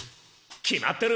決まってる！